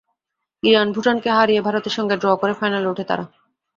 Iran, ভুটানকে হারিয়ে ভারতের সঙ্গে ড্র করে ফাইনালে ওঠে তারা।